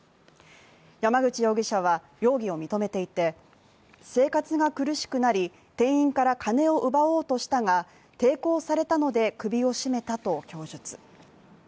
山口容疑者は容疑を認めていて生活が苦しくなり、店員から金を奪おうしたが、抵抗されたので首を絞めたと供述。